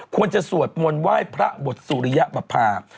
สวดมนต์ไหว้พระบทสุริยปภา